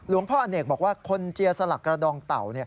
พ่ออเนกบอกว่าคนเจียสลักกระดองเต่า